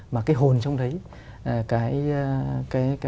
mà cái hồn trong đấy